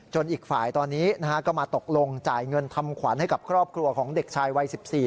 อีกฝ่ายตอนนี้ก็มาตกลงจ่ายเงินทำขวัญให้กับครอบครัวของเด็กชายวัย๑๔